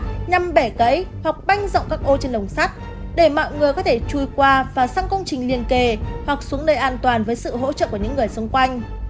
nhằm bẻ cấy hoặc banh rộng các ô trên lồng sắt để mọi người có thể chui qua và sang công trình liên kề hoặc xuống nơi an toàn với sự hỗ trợ của những người xung quanh